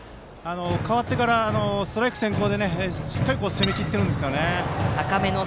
代わってからストライク先行でしっかり攻めきっています。